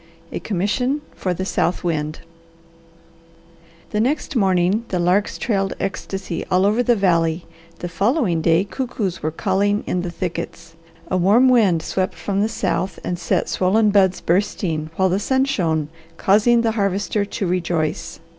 A COMMISSION FOR THE SOUTH WIND The next morning the larks trailed ecstasy all over the valley, the following day cuckoos were calling in the thickets, a warm wind swept from the south and set swollen buds bursting, while the sun shone, causing the Harvester to rejoice.